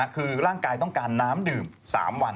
คือร่างกายต้องการน้ำดื่ม๓วัน